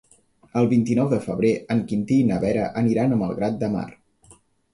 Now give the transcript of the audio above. El vint-i-nou de febrer en Quintí i na Vera aniran a Malgrat de Mar.